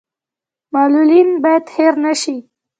معلولین باید هیر نشي